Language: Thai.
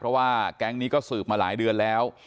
เพราะว่าแก๊งนี้ก็สืบมาหลายเดือนแล้ว